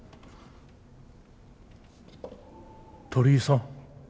鳥居さん。